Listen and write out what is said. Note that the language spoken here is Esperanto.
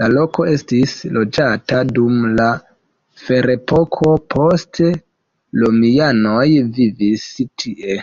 La loko estis loĝata dum la ferepoko, poste romianoj vivis tie.